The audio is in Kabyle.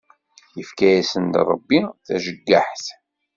Ifka yasen-d Ṛebbi tajeggaḥt.